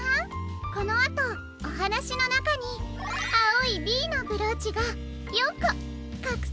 このあとおはなしのなかにあおい「Ｂ」のブローチが４こかくされていますの。